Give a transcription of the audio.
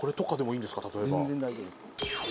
全然大丈夫です。